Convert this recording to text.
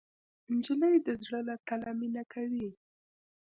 نجلۍ د زړه له تله مینه کوي.